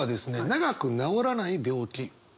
長く治らない病気。